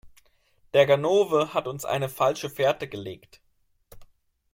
Der Ganove hat uns eine falsche Fährte gelegt.